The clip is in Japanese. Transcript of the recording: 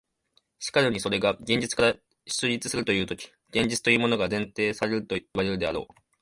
しかるにそれが現実から出立するというとき、現実というものが前提されるといわれるであろう。